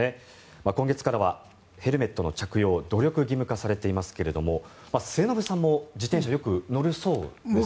今月からはヘルメットの着用努力義務化されていますが末延さんも自転車よく乗るそうですが。